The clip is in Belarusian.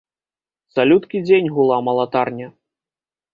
Цалюткі дзень гула малатарня.